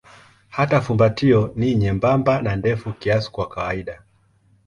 Hata fumbatio ni nyembamba na ndefu kiasi kwa kawaida.